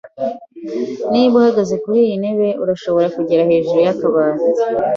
Niba uhagaze kuriyi ntebe, urashobora kugera hejuru yikabati.